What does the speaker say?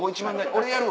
俺やる！